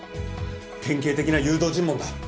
典型的な誘導尋問だ。